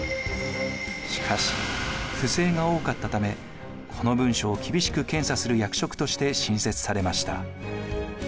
しかし不正が多かったためこの文書を厳しく検査する役職として新設されました。